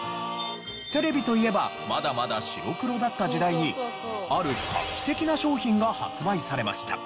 テレビといえばまだまだ白黒だった時代にある画期的な商品が発売されました。